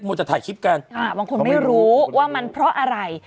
จะถ่ายคลิปกันอ่าบางคนไม่รู้ว่ามันเพราะอะไร